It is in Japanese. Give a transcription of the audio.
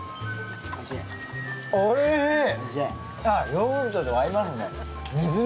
ヨーグルトと合いますね。